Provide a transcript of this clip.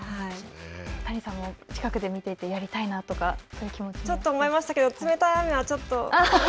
谷さんも近くで見ていて、やりたいなとか、そういう気持ちちょっと思いましたけれども冷たい雨はちょっと。